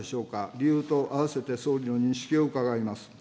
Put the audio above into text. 理由と併せて総理の認識を伺います。